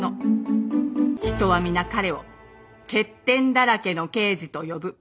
人は皆彼を「欠点だらけの刑事」と呼ぶ